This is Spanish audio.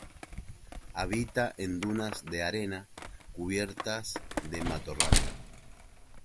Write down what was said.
Habita en dunas de arena cubiertas de matorral.